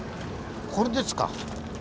これですか。